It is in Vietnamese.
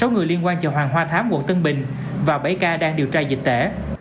sáu người liên quan chợ hoàng hoa thám quận tân bình và bảy ca đang điều tra dịch tễ